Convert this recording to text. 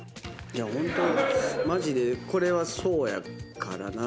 ホントマジでこれはそうやからなぁ。